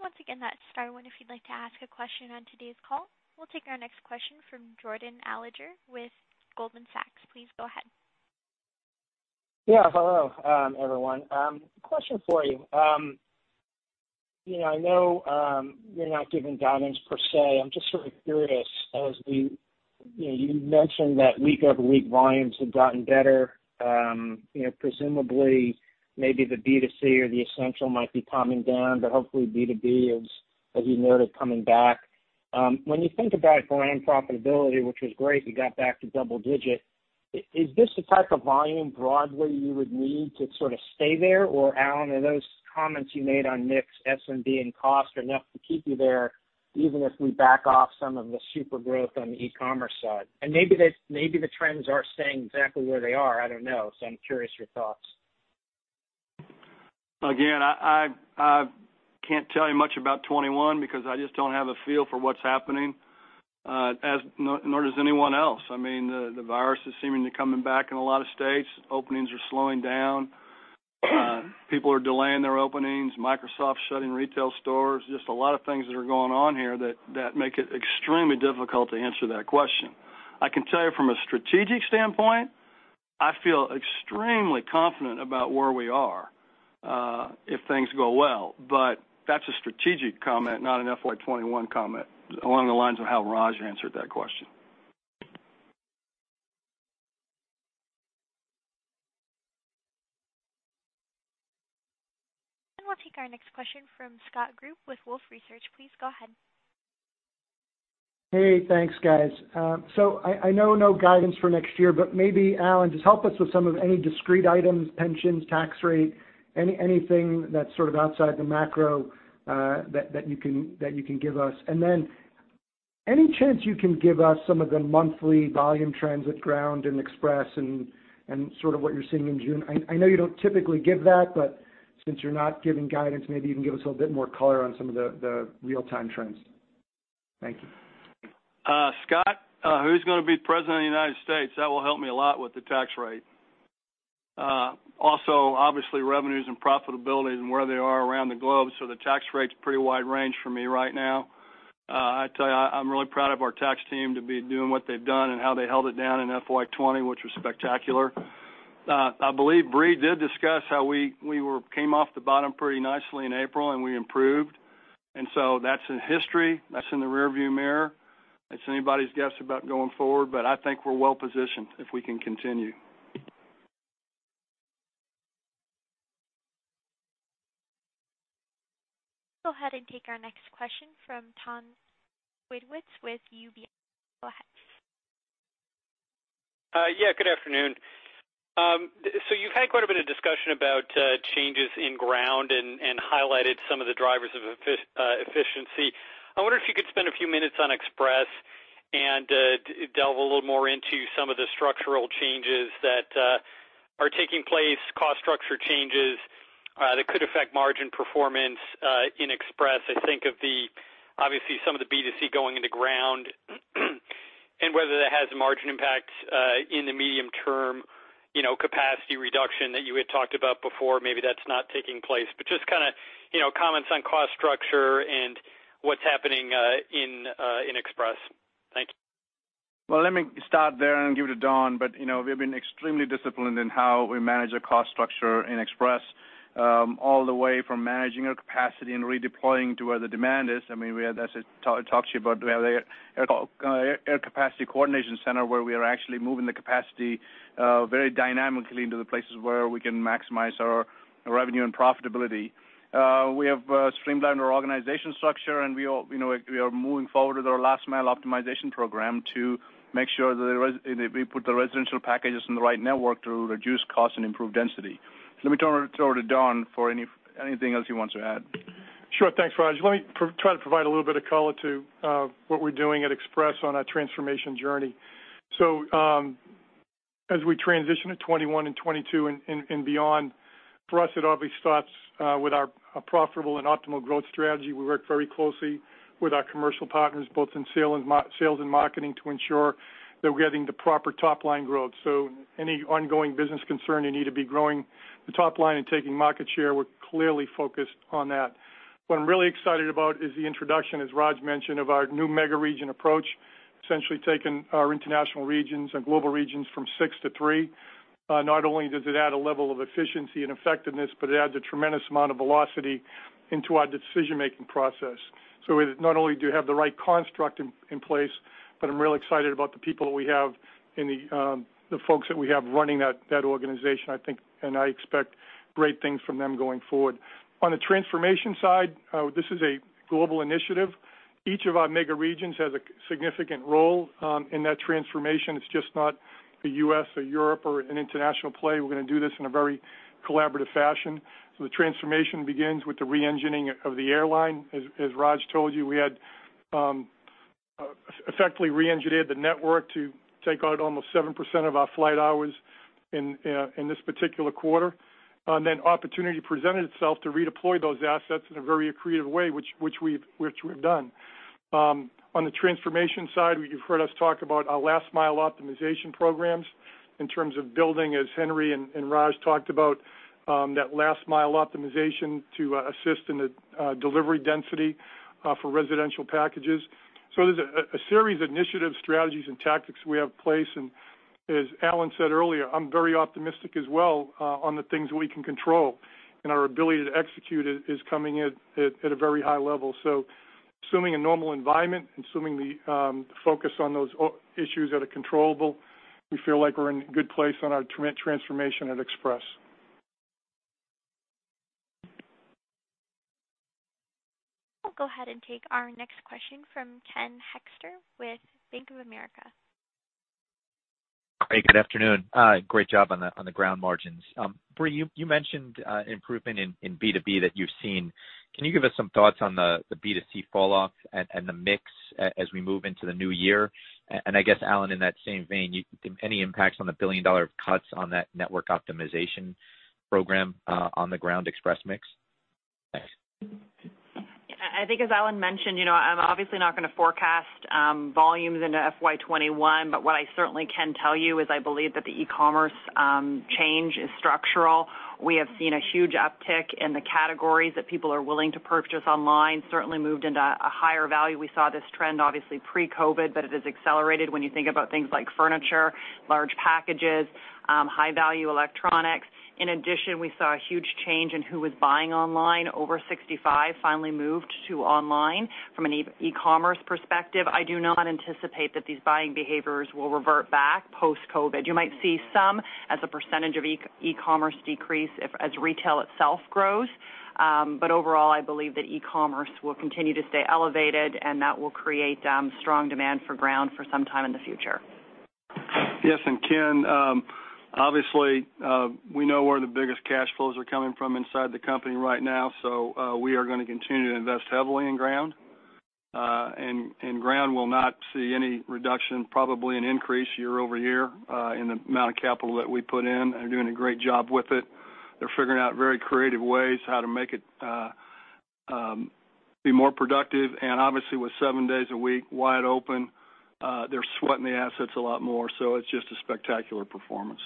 Speaker 1: Once again, that star one if you'd like to ask a question on today's call. We'll take our next question from Jordan Alliger with Goldman Sachs. Please go ahead.
Speaker 15: Yeah. Hello, everyone. Question for you. I know you're not giving guidance per se. I'm just sort of curious, you mentioned that week-over-week volumes have gotten better. Presumably maybe the B2C or the essential might be calming down, but hopefully B2B is, as you noted, coming back. When you think about Ground profitability, which was great, you got back to double digit, is this the type of volume broadly you would need to sort of stay there? Or Alan, are those comments you made on mix SMB and cost enough to keep you there even if we back off some of the super growth on the e-commerce side? Maybe the trends are staying exactly where they are, I don't know. I'm curious your thoughts.
Speaker 6: Again, I can't tell you much about 2021 because I just don't have a feel for what's happening, nor does anyone else. The virus is seeming to coming back in a lot of states. Openings are slowing down. People are delaying their openings. Microsoft's shutting retail stores. A lot of things that are going on here that make it extremely difficult to answer that question. I can tell you from a strategic standpoint, I feel extremely confident about where we are, if things go well. That's a strategic comment, not an FY 2021 comment. Along the lines of how Raj answered that question.
Speaker 1: We'll take our next question from Scott Group with Wolfe Research. Please go ahead.
Speaker 16: Hey, thanks, guys. I know no guidance for next year, but maybe Alan, just help us with some of any discrete items, pensions, tax rate, anything that's sort of outside the macro that you can give us. Any chance you can give us some of the monthly volume trends with Ground and Express and sort of what you're seeing in June? I know you don't typically give that, but since you're not giving guidance, maybe you can give us a little bit more color on some of the real-time trends. Thank you.
Speaker 6: Scott, who's going to be President of the United States? That will help me a lot with the tax rate. Obviously, revenues and profitability and where they are around the globe. The tax rate's pretty wide range for me right now. I tell you, I'm really proud of our tax team to be doing what they've done and how they held it down in FY 2020, which was spectacular. I believe Brie did discuss how we came off the bottom pretty nicely in April, and we improved. That's in history, that's in the rearview mirror. It's anybody's guess about going forward, but I think we're well-positioned if we can continue.
Speaker 1: Go ahead and take our next question from Tom Wadewitz with UBS. Go ahead.
Speaker 17: Yeah, good afternoon. You've had quite a bit of discussion about changes in Ground and highlighted some of the drivers of efficiency. I wonder if you could spend a few minutes on Express and delve a little more into some of the structural changes that are taking place, cost structure changes that could affect margin performance in Express. I think of the, obviously, some of the B2C going into Ground and whether that has a margin impact in the medium term, capacity reduction that you had talked about before, maybe that's not taking place. Just comments on cost structure and what's happening in Express. Thank you.
Speaker 5: Well, let me start there and give it to Don. We've been extremely disciplined in how we manage the cost structure in Express, all the way from managing our capacity and redeploying to where the demand is. As I talked to you about, we have an Air Operations Coordination Center, where we are actually moving the capacity very dynamically into the places where we can maximize our revenue and profitability. We have streamlined our organization structure, and we are moving forward with our Last Mile Optimization program to make sure that we put the residential packages in the right network to reduce cost and improve density. Let me turn it over to Don for anything else he wants to add.
Speaker 8: Sure. Thanks, Raj. Let me try to provide a little bit of color to what we're doing at Express on our transformation journey. As we transition to 2021 and 2022 and beyond, for us, it obviously starts with our profitable and optimal growth strategy. We work very closely with our commercial partners, both in sales and marketing, to ensure that we're getting the proper top-line growth. Any ongoing business concern, you need to be growing the top line and taking market share. We're clearly focused on that. What I'm really excited about is the introduction, as Raj mentioned, of our new mega region approach, essentially taking our international regions and global regions from six to three. Not only does it add a level of efficiency and effectiveness, but it adds a tremendous amount of velocity into our decision-making process. Not only do we have the right construct in place, but I'm real excited about the people that we have and the folks that we have running that organization, I think, and I expect great things from them going forward. On the transformation side, this is a global initiative. Each of our mega regions has a significant role in that transformation. It's just not a U.S. or Europe or an international play. We're going to do this in a very collaborative fashion. The transformation begins with the re-engineering of the airline. As Raj told you, we had effectively re-engineered the network to take out almost 7% of our flight hours in this particular quarter. Opportunity presented itself to redeploy those assets in a very creative way, which we've done. On the transformation side, you've heard us talk about our Last Mile Optimization programs in terms of building, as Henry and Raj talked about, that Last Mile Optimization to assist in the delivery density for residential packages. There's a series of initiatives, strategies, and tactics we have in place. As Alan said earlier, I'm very optimistic as well on the things we can control, and our ability to execute it is coming in at a very high level. Assuming a normal environment, assuming the focus on those issues that are controllable, we feel like we're in a good place on our transformation at Express.
Speaker 1: I'll go ahead and take our next question from Ken Hoexter with Bank of America.
Speaker 18: Hey, good afternoon. Great job on the Ground margins. Brie, you mentioned improvement in B2B that you've seen. Can you give us some thoughts on the B2C fall off and the mix as we move into the new year? I guess, Alan, in that same vein, any impacts on the billion-dollar cuts on that network optimization program on the Ground Express mix? Thanks.
Speaker 4: I think as Alan mentioned, I'm obviously not going to forecast volumes into FY 2021. What I certainly can tell you is I believe that the e-commerce change is structural. We have seen a huge uptick in the categories that people are willing to purchase online, certainly moved into a higher value. We saw this trend obviously pre-COVID. It has accelerated when you think about things like furniture, large packages, high-value electronics. In addition, we saw a huge change in who was buying online. Over 65 finally moved to online from an e-commerce perspective. I do not anticipate that these buying behaviors will revert back post-COVID. You might see some as a percentage of e-commerce decrease as retail itself grows. Overall, I believe that e-commerce will continue to stay elevated, and that will create strong demand for Ground for some time in the future.
Speaker 6: Yes. Ken, obviously, we know where the biggest cash flows are coming from inside the company right now. We are going to continue to invest heavily in Ground. Ground will not see any reduction, probably an increase year-over-year in the amount of capital that we put in. They're doing a great job with it. They're figuring out very creative ways how to make it be more productive. Obviously, with seven days a week wide open, they're sweating the assets a lot more. It's just a spectacular performance.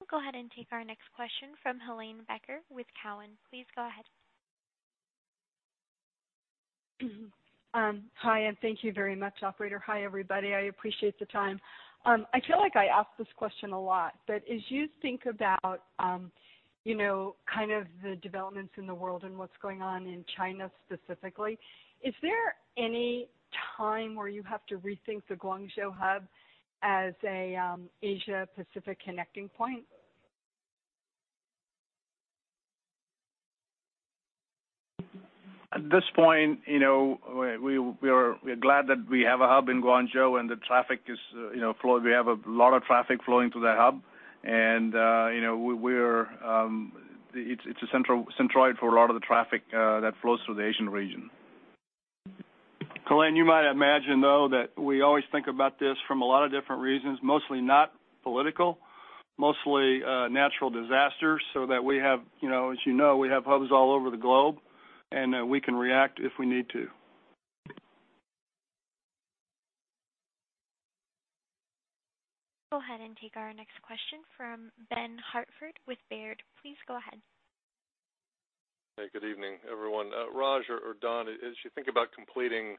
Speaker 1: We'll go ahead and take our next question from Helane Becker with Cowen. Please go ahead.
Speaker 19: Hi, thank you very much, operator. Hi, everybody. I appreciate the time. I feel like I ask this question a lot, as you think about the developments in the world and what's going on in China specifically, is there any time where you have to rethink the Guangzhou hub as an Asia-Pacific connecting point?
Speaker 5: At this point, we're glad that we have a hub in Guangzhou and we have a lot of traffic flowing through that hub. It's a centroid for a lot of the traffic that flows through the Asian region.
Speaker 6: Helane, you might imagine, though, that we always think about this from a lot of different reasons, mostly not political, mostly natural disasters, so that we have, as you know, we have hubs all over the globe, and we can react if we need to.
Speaker 1: Go ahead and take our next question from Ben Hartford with Baird. Please go ahead.
Speaker 20: Hey, good evening, everyone. Raj or Don, as you think about completing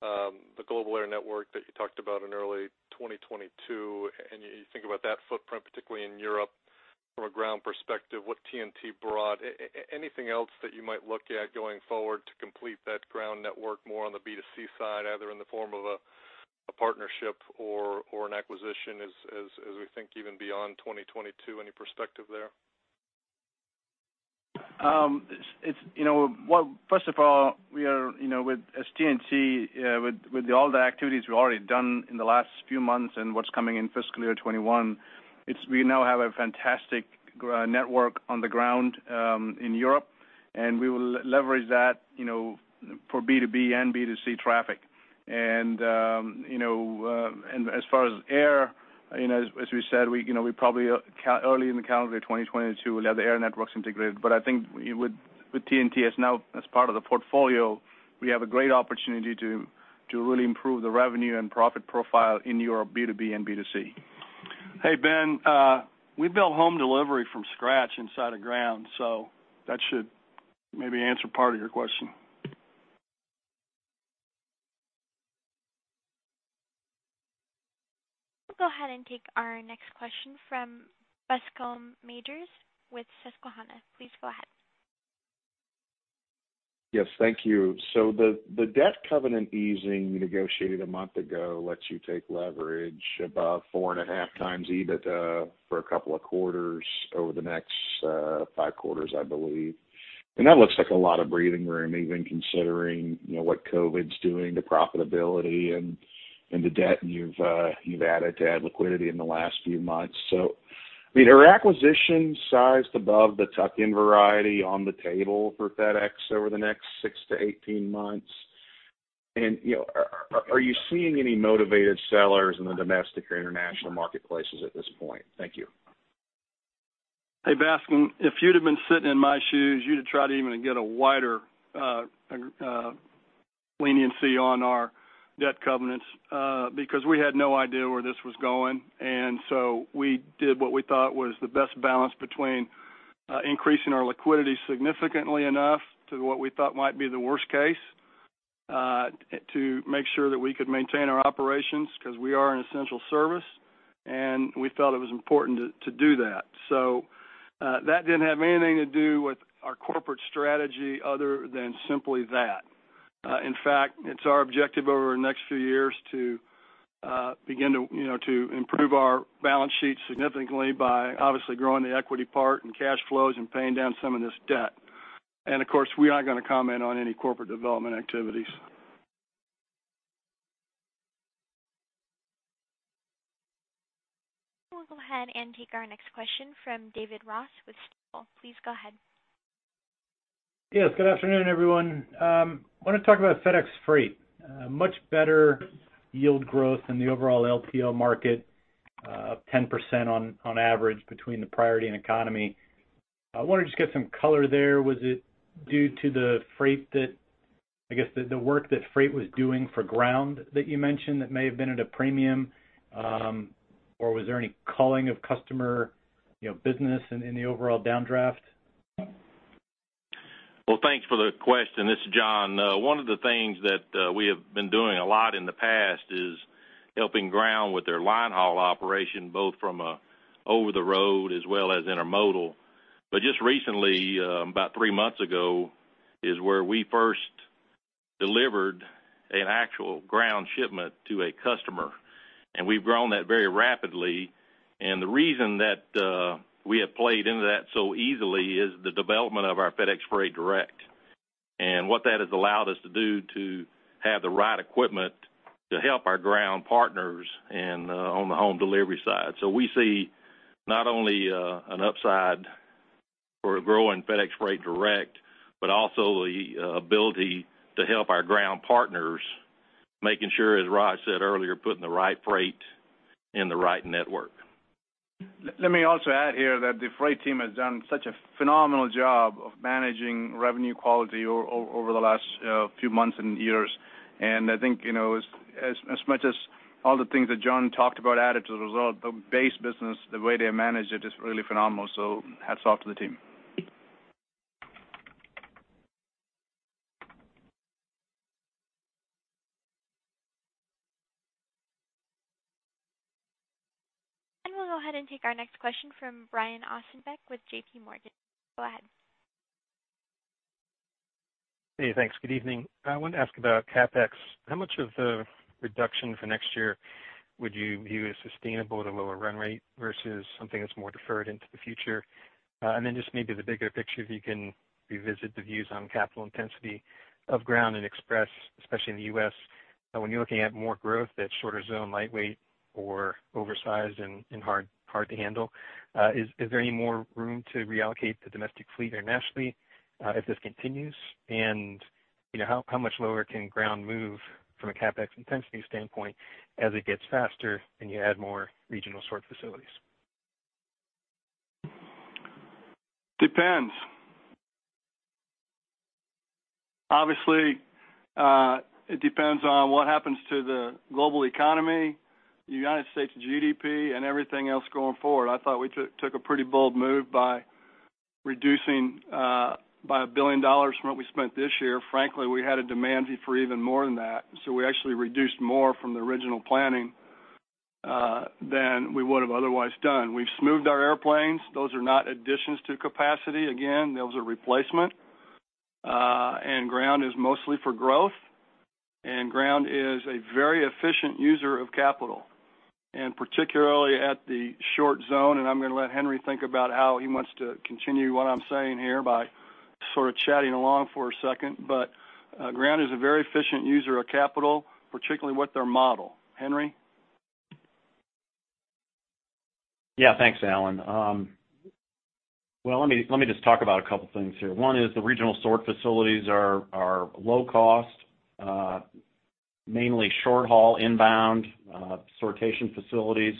Speaker 20: the global air network that you talked about in early 2022, and you think about that footprint, particularly in Europe from a Ground perspective, what TNT brought, anything else that you might look at going forward to complete that Ground network more on the B2C side, either in the form of a partnership or an acquisition as we think even beyond 2022? Any perspective there?
Speaker 5: First of all, as TNT, with all the activities we've already done in the last few months and what's coming in fiscal year 2021, we now have a fantastic network on the Ground in Europe, and we will leverage that for B2B and B2C traffic. As far as air, as we said, we probably early in the calendar year 2022 will have the air networks integrated. I think with TNT as now as part of the portfolio, we have a great opportunity to really improve the revenue and profit profile in Europe, B2B and B2C.
Speaker 6: Hey, Ben. We built Home Delivery from scratch inside of Ground, so that should maybe answer part of your question.
Speaker 1: We'll go ahead and take our next question from Bascome Majors with Susquehanna. Please go ahead.
Speaker 21: Yes. Thank you. The debt covenant easing you negotiated a month ago lets you take leverage about 4.5x EBITDA for a couple of quarters over the next five quarters, I believe. That looks like a lot of breathing room, even considering what COVID's doing to profitability and the debt you've added to add liquidity in the last few months. Are acquisitions sized above the tuck-in variety on the table for FedEx over the next 6-18 months? Are you seeing any motivated sellers in the domestic or international marketplaces at this point? Thank you.
Speaker 6: Hey, Bascome. If you'd have been sitting in my shoes, you'd have tried even to get a wider leniency on our debt covenants, because we had no idea where this was going. We did what we thought was the best balance between increasing our liquidity significantly enough to what we thought might be the worst case, to make sure that we could maintain our operations because we are an essential service. We felt it was important to do that. That didn't have anything to do with our corporate strategy other than simply that. In fact, it's our objective over the next few years to begin to improve our balance sheet significantly by obviously growing the equity part and cash flows and paying down some of this debt. Of course, we aren't going to comment on any corporate development activities.
Speaker 1: We'll go ahead and take our next question from David Ross with Stifel. Please go ahead.
Speaker 22: Yes. Good afternoon, everyone. I want to talk about FedEx Freight. Much better yield growth in the overall LTL market, 10% on average between the Priority and Economy. I wanted to get some color there. Was it due to the work that Freight was doing for Ground that you mentioned that may have been at a premium? Was there any culling of customer business in the overall downdraft?
Speaker 23: Well, thanks for the question. This is John. One of the things that we have been doing a lot in the past is helping Ground with their line haul operation, both from over the road as well as intermodal. Just recently, about three months ago, is where we first delivered an actual Ground shipment to a customer, and we've grown that very rapidly. The reason that we have played into that so easily is the development of our FedEx Freight Direct. What that has allowed us to do to have the right equipment to help our Ground partners and on the home delivery side. We see not only an upside for growing FedEx Freight Direct, but also the ability to help our Ground partners, making sure, as Raj said earlier, putting the right freight in the right network.
Speaker 5: Let me also add here that the Freight team has done such a phenomenal job of managing revenue quality over the last few months and years. I think, as much as all the things that John talked about added to the result, the base business, the way they manage it is really phenomenal. Hats off to the team.
Speaker 1: We'll go ahead and take our next question from Brian Ossenbeck with JPMorgan. Go ahead.
Speaker 24: Hey, thanks. Good evening. I wanted to ask about CapEx. How much of the reduction for next year would you view as sustainable at a lower run rate versus something that's more deferred into the future? Just maybe the bigger picture, if you can revisit the views on capital intensity of Ground and Express, especially in the U.S. When you're looking at more growth that's shorter zone lightweight or oversized and hard to handle, is there any more room to reallocate the domestic fleet internationally if this continues? How much lower can Ground move from a CapEx intensity standpoint as it gets faster and you add more regional sort facilities?
Speaker 6: Depends. Obviously, it depends on what happens to the global economy, United States GDP, and everything else going forward. I thought we took a pretty bold move by reducing by $1 billion from what we spent this year. Frankly, we had a demand for even more than that, so we actually reduced more from the original planning than we would have otherwise done. We've smoothed our airplanes. Those are not additions to capacity. Again, those are replacement. Ground is mostly for growth. Ground is a very efficient user of capital, and particularly at the short zone. I'm going to let Henry think about how he wants to continue what I'm saying here by sort of chatting along for a second. Ground is a very efficient user of capital, particularly with their model. Henry?
Speaker 10: Thanks, Alan. Let me just talk about a couple things here. One is the regional sort facilities are low cost, mainly short haul inbound sortation facilities.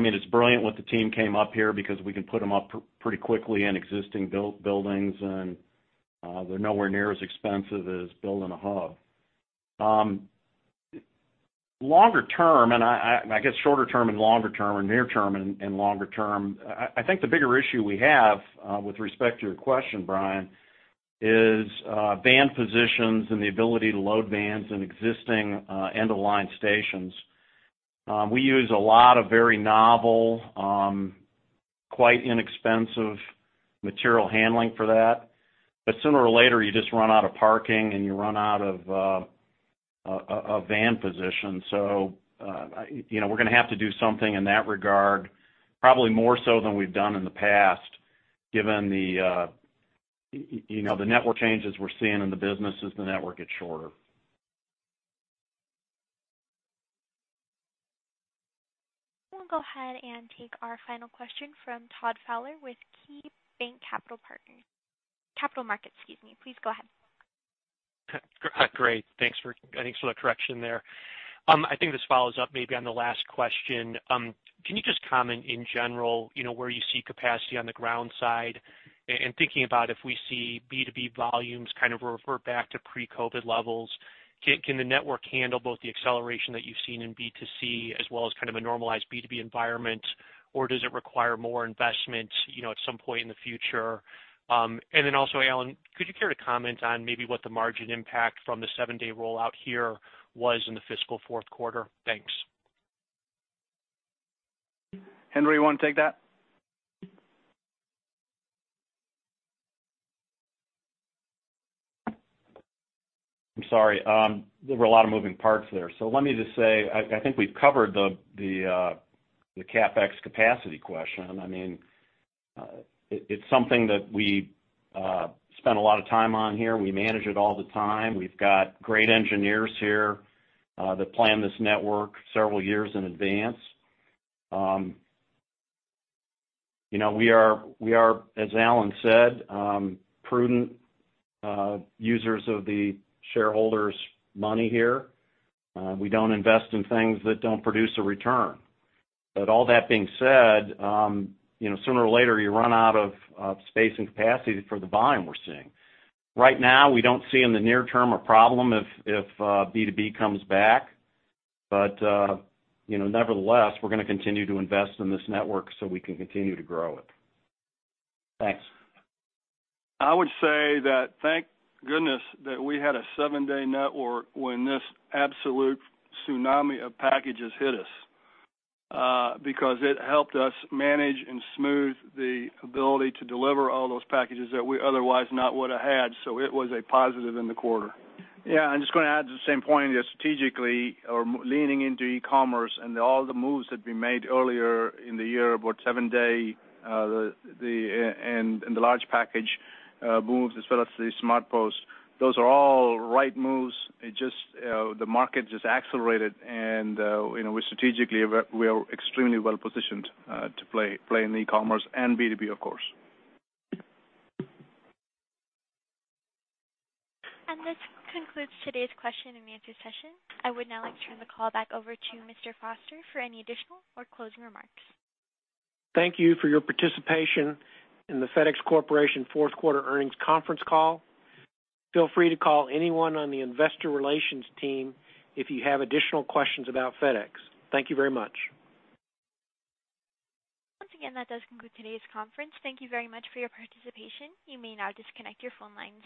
Speaker 10: It's brilliant what the team came up here because we can put them up pretty quickly in existing buildings, and they're nowhere near as expensive as building a hub. Longer term, I guess shorter term and longer term or near term and longer term, I think the bigger issue we have, with respect to your question, Brian, is van positions and the ability to load vans in existing end-of-line stations. We use a lot of very novel, quite inexpensive material handling for that. Sooner or later, you just run out of parking and you run out of van positions. We're going to have to do something in that regard, probably more so than we've done in the past, given the network changes we're seeing in the business as the network gets shorter.
Speaker 1: We'll go ahead and take our final question from Todd Fowler with KeyBanc Capital Markets, excuse me. Please go ahead.
Speaker 25: Great. Thanks for, I think, sort of correction there. I think this follows up maybe on the last question. Can you just comment in general, where you see capacity on the Ground side? Thinking about if we see B2B volumes kind of revert back to pre-COVID levels, can the network handle both the acceleration that you've seen in B2C as well as kind of a normalized B2B environment? Does it require more investment at some point in the future? Then also, Alan, could you care to comment on maybe what the margin impact from the seven-day rollout here was in the fiscal fourth quarter? Thanks.
Speaker 6: Henry, you want to take that?
Speaker 10: I'm sorry. There were a lot of moving parts there. Let me just say, I think we've covered the CapEx capacity question. It's something that we spend a lot of time on here. We manage it all the time. We've got great engineers here that plan this network several years in advance. We are, as Alan said, prudent users of the shareholders' money here. We don't invest in things that don't produce a return. All that being said, sooner or later, you run out of space and capacity for the volume we're seeing. Right now, we don't see in the near term a problem if B2B comes back. Nevertheless, we're going to continue to invest in this network so we can continue to grow it.
Speaker 25: Thanks.
Speaker 6: I would say that thank goodness that we had a seven-day network when this absolute tsunami of packages hit us, because it helped us manage and smooth the ability to deliver all those packages that we otherwise not would have had. It was a positive in the quarter.
Speaker 5: Yeah, I'm just going to add to the same point. Strategically, or leaning into e-commerce and all the moves that we made earlier in the year, about seven-day, and the large package moves, as well as the SmartPost, those are all right moves. The market just accelerated. Strategically, we are extremely well-positioned to play in the e-commerce and B2B, of course.
Speaker 1: This concludes today's question and answer session. I would now like to turn the call back over to Mr. Foster for any additional or closing remarks.
Speaker 2: Thank you for your participation in the FedEx Corporation fourth quarter earnings conference call. Feel free to call anyone on the investor relations team if you have additional questions about FedEx. Thank you very much.
Speaker 1: Once again, that does conclude today's conference. Thank you very much for your participation. You may now disconnect your phone lines.